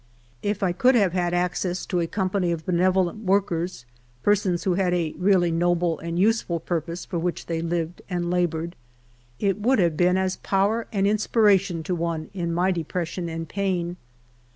If I could have had access to a company of benevolent woikers, persons w^ho had a really noble and useful purpose i'or which they lived and labored, it would have been as power and inspiration to one in my depression and pain.